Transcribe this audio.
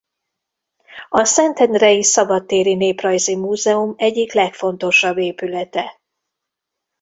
A Szentendrei Szabadtéri Néprajzi Múzeum egyik legfontosabb épülete.